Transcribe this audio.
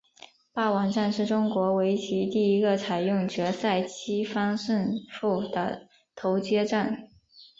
霸王战是中国围棋第一个采用决赛七番胜负的头衔战。